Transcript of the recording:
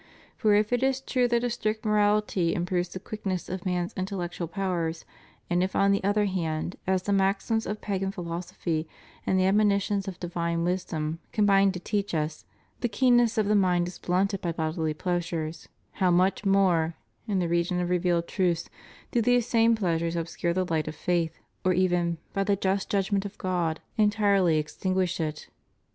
For if it is true that a strict morahty improves the quickness of man's intellectual powers, and if on the other hand, as the maxims of pagan phi losophy and the admonitions of divine wisdom combine to teach us, the keenness of the mind is blunted by bodily pleasures, how much more, in the region of revealed truths, do these same pleasures obscure the light of faith, or even, by the just judgment of God, entirely extinguish ' Mai. i. 11. THE MOST HOLY EUCHARIST. 525 it.